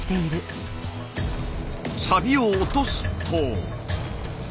サビを落とすと。